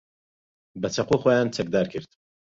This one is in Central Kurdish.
بە چەقۆ خۆیان چەکدار کرد.